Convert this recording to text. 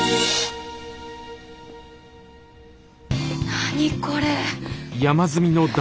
何これ。